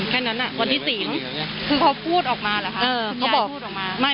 แค่นั้นอ่ะวันที่๔คือเขาพูดออกมาเหรอคะคุณยานพูดออกมา